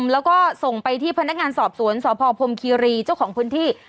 แล้วก็ส่งไปที่พนักงานสอบสวนสพพรมคีรีเจ้าของพื้นที่